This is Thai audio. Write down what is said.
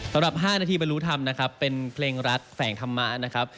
สำหรับ๕นาทีบรรลุธรรมนะครับเป็นเพลงรักแฝงธรรมะนะครับ